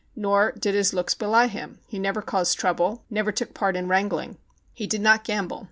Nor did his looks belie him. He never caused trouble, never took part in wrangling. He did not gamble.